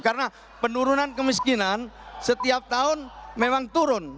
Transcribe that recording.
karena penurunan kemiskinan setiap tahun memang turun